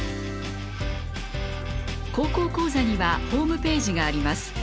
「高校講座」にはホームページがあります。